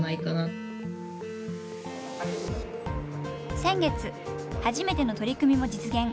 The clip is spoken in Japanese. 先月初めての取り組みも実現。